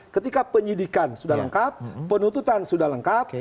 ketika penyidikan sudah lengkap penuntutan sudah lengkap